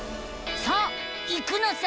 さあ行くのさ！